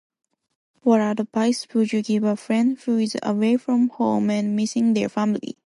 What advice would you give a friend who's away from home and missing their family?